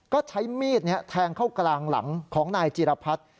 ก็ใช้มีดแทงเข้ากลางหลังของนายจิรพัฒน์